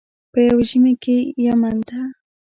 یو په ژمي کې یمن ته.